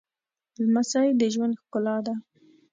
لمسی د ژوند ښکلا ده